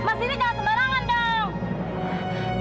mas ini jangan sembarangan dong